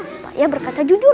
supaya berkata jujur